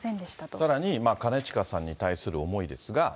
さらに、兼近さんに対する思いですが。